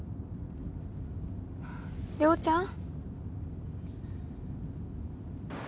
亮ちゃん？